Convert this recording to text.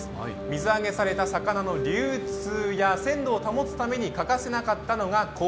水揚げされた魚の流通や鮮度を保つために欠かせなかったのが氷。